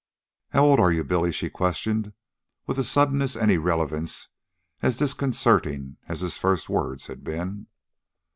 "How old are you, Billy?" she questioned, with a suddenness and irrelevance as disconcerting as his first words had been.